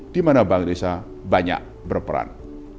di mana bank indonesia banyak berperan